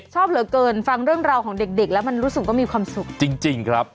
ชอบเหลือเกินฟังเรื่องราวของเด็กเด็กแล้วมันรู้สึกว่ามีความสุขจริงจริงครับ